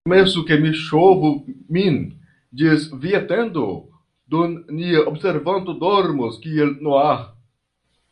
Permesu, ke mi ŝovu min ĝis via tendo, dum nia observanto dormos kiel Noaho.